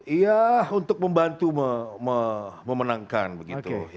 iya untuk membantu memenangkan begitu